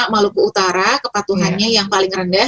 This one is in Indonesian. maluku utara kepatuhannya yang paling rendah